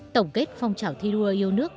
tổng kết phong trào thi đua yêu nước